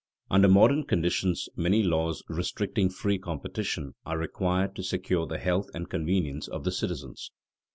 _Under modern conditions many laws restricting free competition are required to secure the health and convenience of the citizens.